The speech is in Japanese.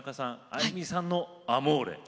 あいみさんの「アモーレ」。